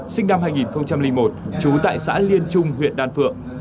sinh năm hai nghìn một trú tại xã liên trung huyện đan phượng